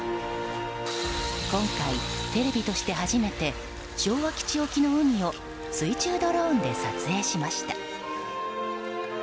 今回テレビとして初めて昭和基地沖の海を水中ドローンで撮影しました。